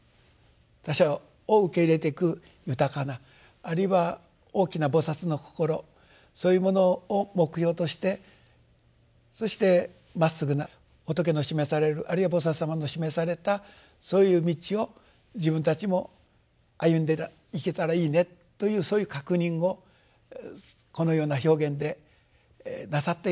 他者を受け入れていく豊かなあるいは大きな菩のこころそういうものを目標としてそしてまっすぐな仏の示されるあるいは菩様の示されたそういう道を自分たちも歩んでいけたらいいねというそういう確認をこのような表現でなさってるんじゃないかと。